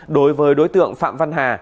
đối với đối tượng phạm văn hà